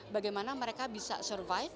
bagaimana mereka bisa survive